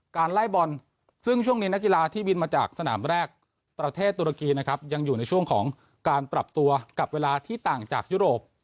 ไล่บอลซึ่งช่วงนี้นักกีฬาที่บินมาจากสนามแรกประเทศตุรกีนะครับยังอยู่ในช่วงของการปรับตัวกับเวลาที่ต่างจากยุโรป